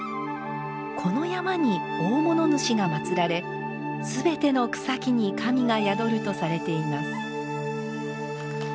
この山に大物主がまつられすべての草木に神が宿るとされています。